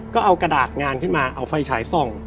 ก็เอากระดาษงานขึ้นมาเอาไฟฉายส่อง